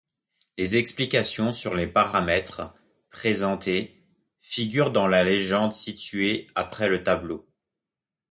Les explications sur les paramètres présentés figurent dans la légende située après le tableau.